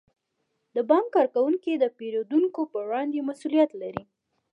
د بانک کارکوونکي د پیرودونکو په وړاندې مسئولیت لري.